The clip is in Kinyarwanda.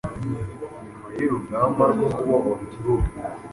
nyuma y’urugamba rwo kubohora igihugu